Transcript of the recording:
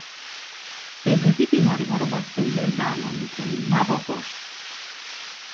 به زودی بیماریها رو با سلول درمان میکنیم، نه با قرص!